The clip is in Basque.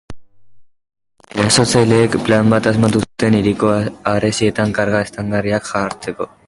Erasotzaileek, plan bat asmatu zuten hiriko harresietan karga eztandagarriak jartzeko.